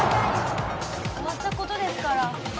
終わったことですから。